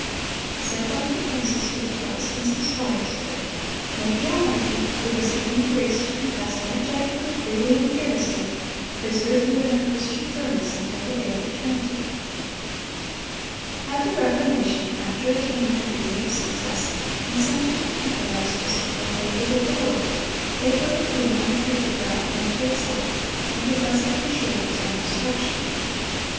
Said one of the princes to the Protestants of Spires, "May the Almighty, who has given you grace to confess energetically, freely, and fearlessly, preserve you in that Christian firmness until the day of eternity."(298) Had the Reformation, after attaining a degree of success, consented to temporize to secure favor with the world, it would have been untrue to God and to itself, and would thus have insured its own destruction.